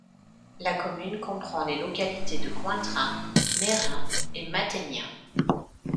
La commune comprend les localités de Cointrin, Meyrin et Mategnin.